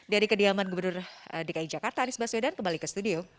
dari kediaman gubernur dki jakarta anies baswedan kembali ke studio